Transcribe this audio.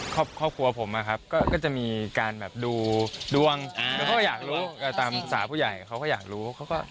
ครอบครัวผมก็จะมีการดูดวงเขาก็อยากรู้ตามภาษาผู้ใหญ่เขาก็อยากรู้